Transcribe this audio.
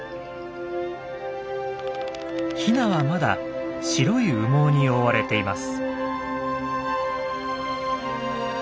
ヒナはまだ白い羽毛に覆われています。